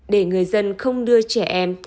để người dân không đưa trẻ em